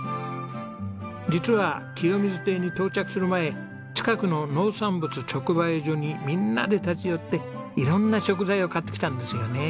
実はきよみず邸に到着する前近くの農産物直売所にみんなで立ち寄って色んな食材を買ってきたんですよね。